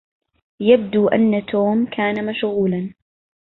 يبدو أن توم كان مشغولا.